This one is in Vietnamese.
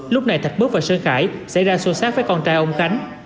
lúc này thạch mước và sơn khải xảy ra xô xác với con trai ông khánh